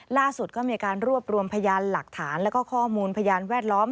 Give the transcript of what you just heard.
ล่าสุดก็มีการรวบรวมพยานหลักฐานแล้วก็ข้อมูลพยานแวดล้อม